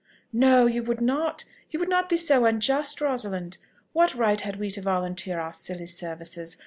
"No, you would not, you would not be so unjust, Rosalind. What right had we to volunteer our silly services?